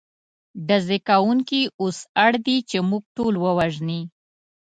ډزې کوونکي اوس اړ دي، چې موږ ټول ووژني.